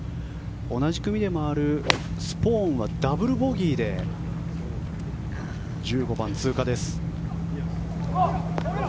同じ組で回るスポーンはダブルボギーで１５番、通過です。